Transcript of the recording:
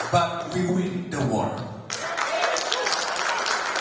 tapi kita menang dunia